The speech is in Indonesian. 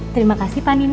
terima kasih pak nino